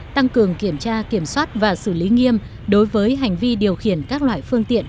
tăng cường kiểm tra kiểm soát và xử lý nghiêm đối với hành vi điều khiển các loại phương tiện